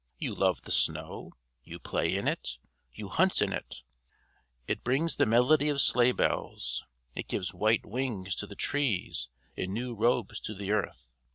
"You love the snow. You play in it, you hunt in it; it brings the melody of sleigh bells, it gives white wings to the trees and new robes to the earth.